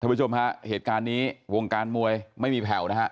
ผู้ชมฮะเหตุการณ์นี้วงการมวยไม่มีแผ่วนะฮะ